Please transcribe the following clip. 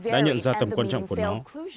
đã nhận ra tầm quan trọng của nó